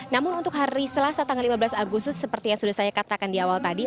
namun untuk hari selasa tanggal lima belas agustus seperti yang sudah saya katakan di awal tadi